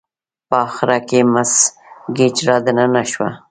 په اخره کې مس ګېج را دننه شوه.